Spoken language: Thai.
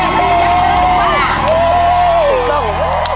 ถูกต้อง